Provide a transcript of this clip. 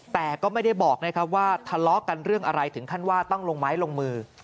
แต่ก็ไม่ได้บอกนะครับว่าทะเลาะกันเรื่องอะไรถึงขั้นว่าต้องลงไม้ลงมือ